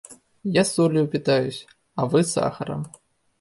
Я солью питаюсь, а вы сахаром.